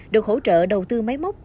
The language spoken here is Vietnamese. được hỗ trợ đầu tư máy móc